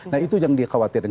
nah itu yang dikhawatirkan